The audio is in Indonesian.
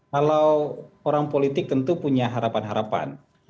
kalau orang politik tentu punya harapan harapan